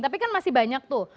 tapi kan masih banyak tuh